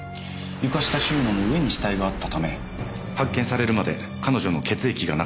床下収納の上に死体があったため発見されるまで彼女の血液が流れ込んだんでしょう。